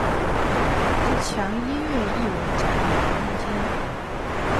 这墙音乐艺文展演空间。